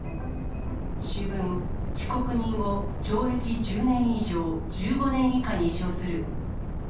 主文、被告人を懲役１０年以上１５年以下に処する。